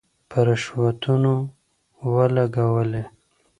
په رشوتونو ولګولې.